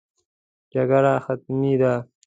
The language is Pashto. جګړه حتمي ده.